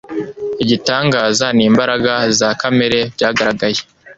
igitangaza n'imbaraga za kamere byagaragaye